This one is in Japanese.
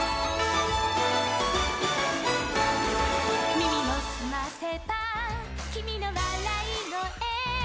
「みみをすませばきみのわらいごえ」